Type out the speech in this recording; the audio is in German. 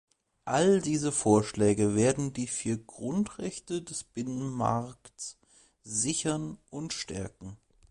Alle diese Vorschläge werden die vier Grundrechte des Binnenmarkts sichern und stärken.